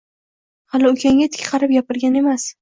Hali ukangga tik qarab gapirgan emas